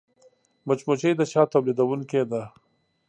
مچمچۍ د شاتو تولیدوونکې ده